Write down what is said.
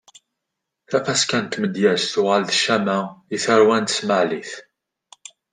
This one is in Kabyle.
Tafaska n tmedyezt tuɣal d ccama i tarwan n tesmaɛlit.